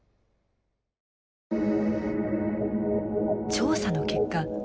調査の結果